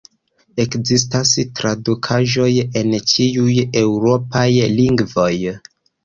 Ekzistas tradukaĵoj en ĉiuj eŭropaj lingvoj.